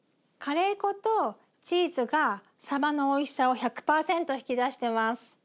カレー粉とチーズがさばのおいしさを１００％引き出してます。